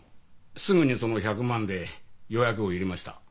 すぐにその１００万で予約を入れました。